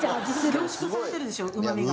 凝縮されてるでしょうま味が。